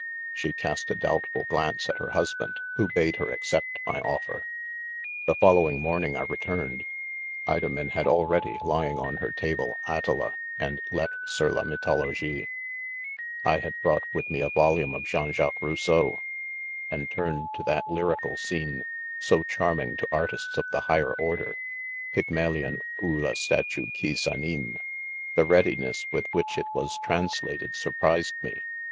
She cast a doubtful glance at her husband, who bade her accept my offer. The I following morning I returned j Idomen had already, lying on her table, "Atala," and " Letres .. sur la mytologie." ■ I had brought with me a volume of Jean Jaques Rosseau, and turned to that lyrical scene,' so charming to ar tists of the higher order, " Pygmalion ou la stat ue' qui s'ahime*" — The readiness with which it was translated surprised roe'